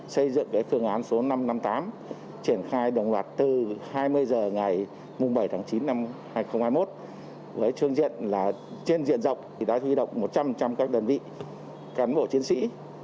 xây dựng phương án số năm trăm năm mươi tám triển khai đồng loạt từ hai mươi h ngày bảy tháng chín năm hai nghìn hai mươi một với phương diện là trên diện rộng thì đã huy động một trăm linh các đơn vị cán bộ chiến sĩ